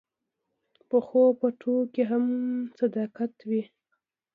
پخو پټو کې هم صداقت وي